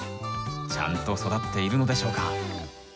ちゃんと育っているのでしょうか？